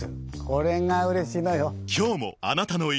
これがうれしいのよ。